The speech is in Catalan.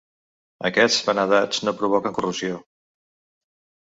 Aquests vanadats no provoquen corrosió.